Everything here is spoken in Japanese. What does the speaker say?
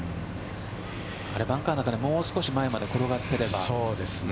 バンカーの中でもう少し前まで転がっていれば。